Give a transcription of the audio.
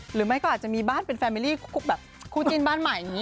หรือไม่ก็อาจจะมีบ้านเป็นแฟมิลี่แบบคู่จิ้นบ้านใหม่อย่างนี้